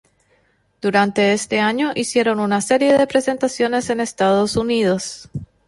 Durante este año hicieron una serie de presentaciones en estados unidos.